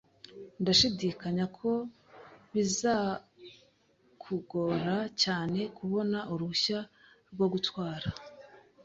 Ndashidikanya ko bizakugora cyane kubona uruhushya rwo gutwara.